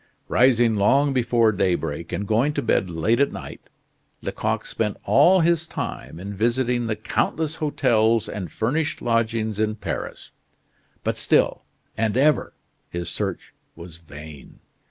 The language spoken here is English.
Rising long before daybreak and going to bed late at night, Lecoq spent all his time in visiting the countless hotels and furnished lodgings in Paris. But still and ever his search was vain.